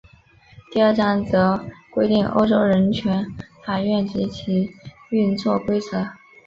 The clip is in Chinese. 第二章则规定欧洲人权法院及其运作规则。